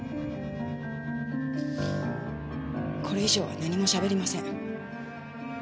これ以上は何もしゃべりません。